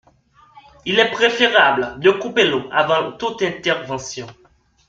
Il est préférable de couper l'eau avant toute intervention.